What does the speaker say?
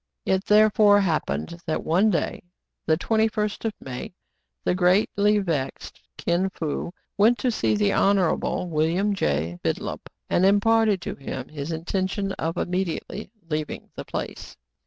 It therefore happened that one day, the 21st of May, the greatly vexed Kin Fo went to see the Honorable William J. Bidulph, and imparted to him his intention of immediately leaving the place.